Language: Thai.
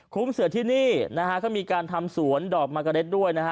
คุ้มเสือที่นี่นะฮะก็มีการทำสวนดอกมากาเล็ตด้วยนะฮะ